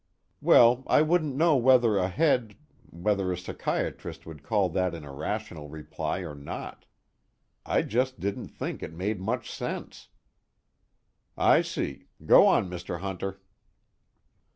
Well, I wouldn't know whether a head whether a psychiatrist would call that an irrational reply or not. I just didn't think it made much sense." "I see. Go on, Mr. Hunter."